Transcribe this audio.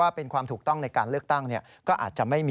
กรณีนี้ทางด้านของประธานกรกฎาได้ออกมาพูดแล้ว